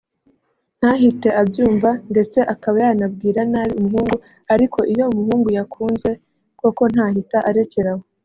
ntahite abyumva ndetse akaba yanabwira nabi umuhungu ariko iyo umuhungu yakunze koko ntahita arekera aho